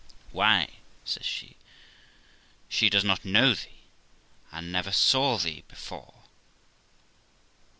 'Why', says she, 'she does not know thee, and never saw thee be fore.'